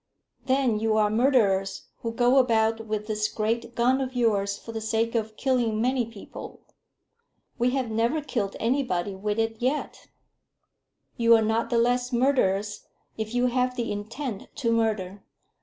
"Then you are murderers who go about with this great gun of yours for the sake of killing many people." "We've never killed anybody with it yet." "You are not the less murderers if you have the intent to murder.